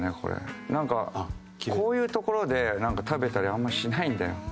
「なんかこういう所で食べたりあんましないんだよ」。